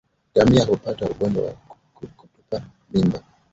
Ngamia hupata ugonjwa wa kutupa mimba